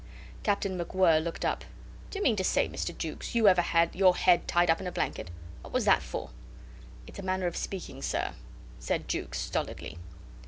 Captain MacWhirr looked up. "D'ye mean to say, Mr. Jukes, you ever had your head tied up in a blanket? What was that for?" "It's a manner of speaking, sir," said Jukes, stolidly.